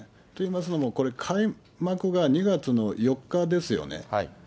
といいますのも、これ、開幕が２月の４日ですよね。